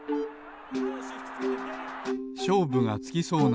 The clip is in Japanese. しょうぶがつきそうな